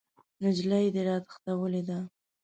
نجلۍ دې راتښتولې ده!